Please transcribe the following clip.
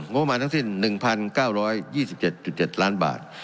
ประมาณทั้งสิ้น๑๙๒๗๗ล้านบาท